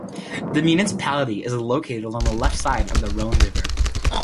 The municipality is located along the left side of the Rhone river.